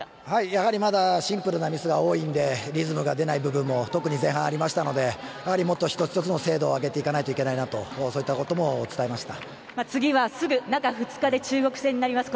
やはり、まだシンプルなミスが多いんでリズムが出ない部分も特に前半ありましたのでやはり一つ一つの精度も上げていかなければいけないなとそういったところも伝えました。